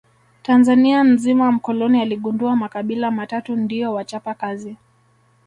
Tanzania nzima mkoloni aligundua makabila matatu ndio wachapa kazi